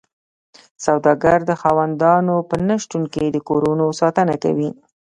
سوداګر د خاوندانو په نشتون کې د کورونو ساتنه کوي